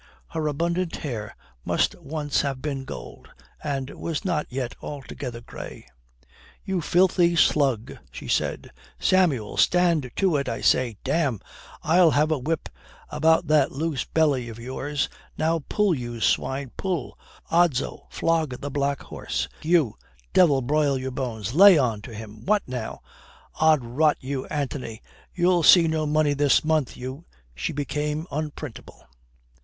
Her abundant hair must once have been gold, and was not yet altogether grey. "You filthy slug," said she. "Samuel! Stand to it, I say. Damme, I'll have a whip about that loose belly of yours! Now pull, you swine, pull. Odso, flog the black horse. You, devil broil your bones, lay on to him. What now? Od rot you, Antony, you'll see no money this month, you " She became unprintable.